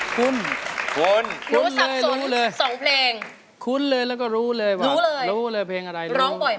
คุณคุณคุณเลยรู้เลยคุณเลยแล้วก็รู้เลยว่ารู้เลยเพลงอะไรรู้เลยร้องบ่อยมั้ยคะ